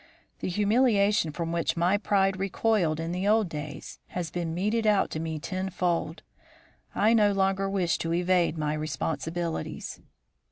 The humiliation from which my pride recoiled in the old days has been meted out to me ten fold. I no longer wish to evade my responsibilities."